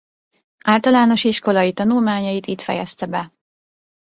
Általános iskolai tanulmányait itt fejezte be.